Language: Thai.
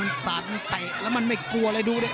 มันสาดมันเตะแล้วมันไม่กลัวเลยดูดิ